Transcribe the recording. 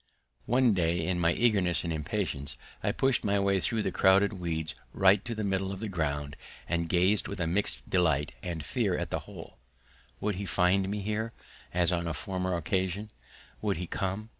One day in my eagerness and impatience I pushed my way through the crowded weeds right to the middle of the ground and gazed with a mixed delight and fear at the hole: would he find me there, as on a former occasion? Would he come?